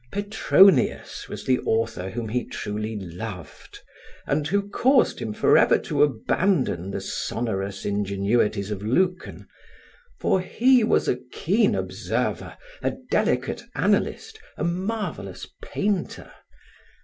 Petronius was the author whom he truly loved and who caused him forever to abandon the sonorous ingenuities of Lucan, for he was a keen observer, a delicate analyst, a marvelous painter.